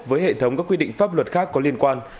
với hệ thống các quy định pháp luật khác có liên quan